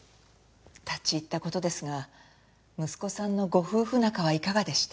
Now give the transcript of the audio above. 立ち入った事ですが息子さんのご夫婦仲はいかがでした？